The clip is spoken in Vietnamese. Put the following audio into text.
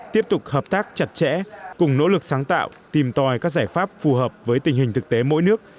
tiếp tục hợp tác chặt chẽ cùng nỗ lực sáng tạo tìm tòi các giải pháp phù hợp với tình hình thực tế mỗi nước